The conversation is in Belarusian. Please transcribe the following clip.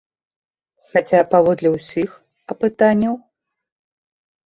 Хаця паводле ўсіх апытанняў?